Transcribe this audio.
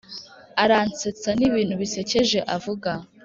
aransetsa nibintu bisekeje avuga.